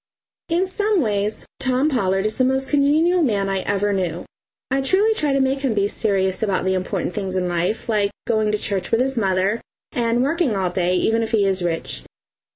In some ways Tom Pollard is the most congenial man I ever knew. I truly try to make him be serious about the important things in life, like going to church with his mother and working all day, even if he is rich.